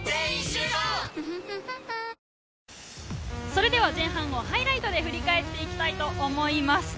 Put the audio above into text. それでは前半をハイライトで振り返っていきます。